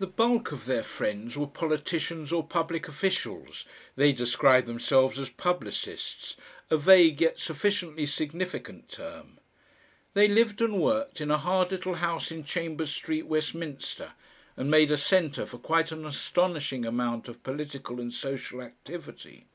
The bulk of their friends were politicians or public officials, they described themselves as publicists a vague yet sufficiently significant term. They lived and worked in a hard little house in Chambers Street, Westminster, and made a centre for quite an astonishing amount of political and social activity.